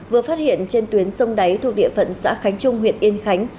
vừa phát hiện trên tuyến sông đáy thuộc địa phận xã khánh trung huyện yên khánh